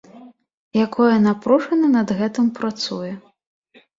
Якое напружана над гэтым працуе.